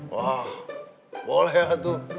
wah boleh tuh